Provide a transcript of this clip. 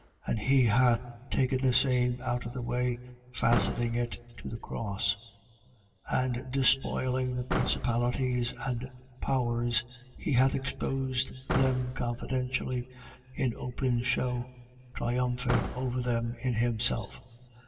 And he hath taken the same out of the way, fastening it to the cross. 2:15. And despoiling the principalities and powers, he hath exposed them confidently in open shew, triumphing over them in himself.